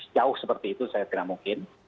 jauh seperti itu saya kira mungkin